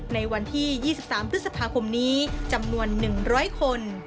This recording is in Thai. ในวันที่๒๓พฤษภาคมนี้จำนวน๑๐๐คน